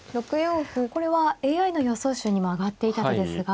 これはＡＩの予想手にも挙がっていた手ですが。